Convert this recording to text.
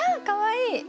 かわいい！